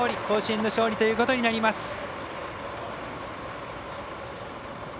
甲子園の勝利ということになります。